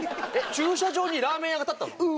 駐車場にラーメン屋が建ったの？